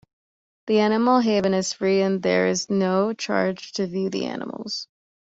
The animal haven is free and there is no charge to view the animals.